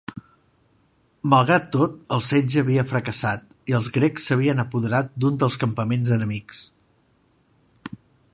Malgrat tol, el setge havia fracassat i els grecs s'havien apoderat d'un dels campaments enemics.